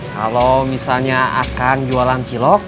kalau misalnya akan jualan cilok